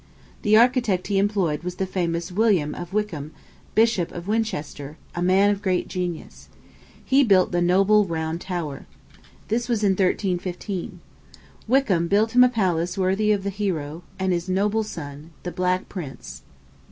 The architect he employed was the famous William of Wykeham, Bishop of Winchester, a man of great genius. He built the noble round tower. This was in 1315. Wykeham built him a palace worthy of the hero and his noble son, the Black Prince.